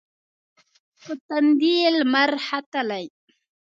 پر تندې یې لمر ختلي